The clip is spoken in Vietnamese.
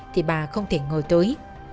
thì bà không thể ngồi tối